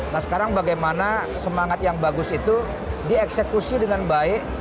nah sekarang bagaimana semangat yang bagus itu dieksekusi dengan baik